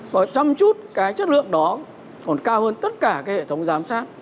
và chăm chút cái chất lượng đó còn cao hơn tất cả cái hệ thống giám sát